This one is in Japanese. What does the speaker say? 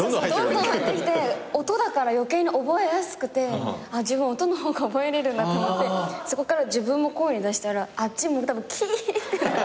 音だから余計に覚えやすくて自分音の方が覚えれるんだと思ってそこから自分も声に出したらあっちもキーッ！って。